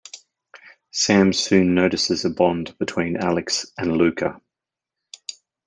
Sam soon notices a bond between Alex and Luka.